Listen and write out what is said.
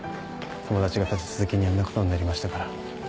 友達が立て続けにあんなことになりましたから。